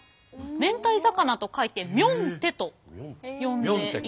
明太魚と書いてミョンテと呼んでいるんです。